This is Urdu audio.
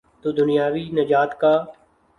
تو دنیاوی نجات کا۔